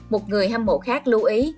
một người hâm mộ khác lưu ý